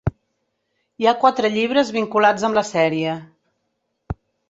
Hi ha quatre llibres vinculats amb la sèrie.